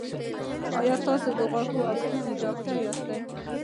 ایا تاسو د غوږ او ستوني ډاکټر یاست؟